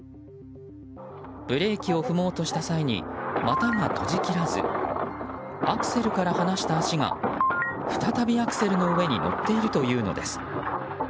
ブレーキを踏もうとした際に股が閉じきらずアクセルから離した足が再びアクセルの上に乗っているというのです。